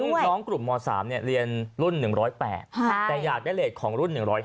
เพราะว่าพองกลุ่มม๓เรียนรุ่น๑๐๘แต่อยากเรียนเรทของรุ่น๑๐๕